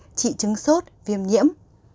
nước chanh có tác dụng chứng sốt viêm nhiễm